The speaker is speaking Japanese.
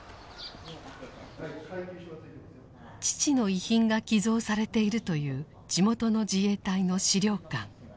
父の遺品が寄贈されているという地元の自衛隊の資料館。